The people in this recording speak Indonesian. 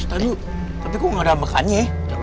setanju tapi kok gak ada mukanya